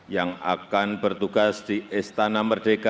yang akan bertugas di istana merdeka